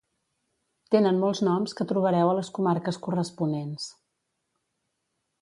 Tenen molts noms que trobareu a les comarques corresponents